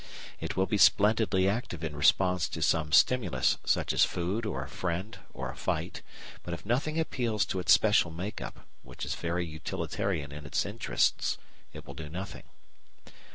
It will be splendidly active in response to some stimulus such as food or a friend or a fight, but if nothing appeals to its special make up, which is very utilitarian in its interests, it will do nothing.